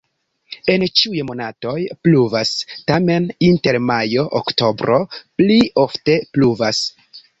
En ĉiuj monatoj pluvas, tamen inter majo-oktobro pli ofte pluvas.